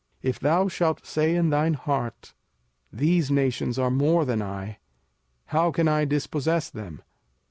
05:007:017 If thou shalt say in thine heart, These nations are more than I; how can I dispossess them?